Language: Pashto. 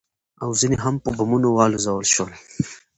او ځنې هم په بمونو والوزول شول.